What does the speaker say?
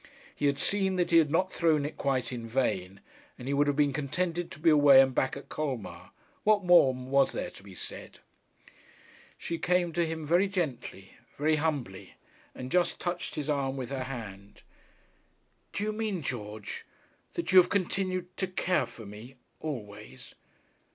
He had seen that he had not thrown it quite in vain, and he would have been contented to be away and back at Colmar. What more was there to be said? She came to him very gently, very humbly, and just touched his arm with her hand. 'Do you mean, George, that you have continued to care for me always?'